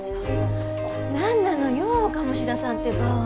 なんなのよ鴨志田さんってば。